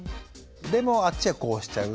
でもあっちはこうしちゃうって。